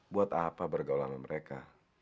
buat apa bergaul sama mereka